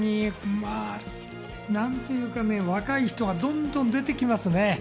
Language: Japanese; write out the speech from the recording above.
なんていうか、若い人がどんどん出てきますね。